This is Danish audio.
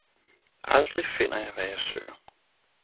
Aldrig finder jeg hvad jeg søger!